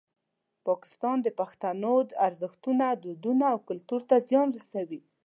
پاکستان د پښتنو ارزښتونه، دودونه او کلتور ته زیان رسوي.